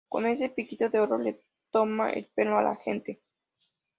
Con ese piquito de oro le toma el pelo a la gente